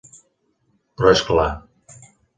Però és clar.